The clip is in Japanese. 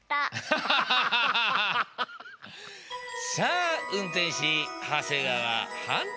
さあ運転士長谷川はん